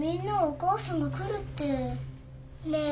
ねえ。